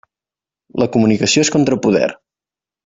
La comunicació és contrapoder.